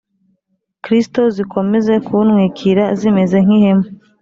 Kristo zikomeze kuntwikira zimeze nk ihema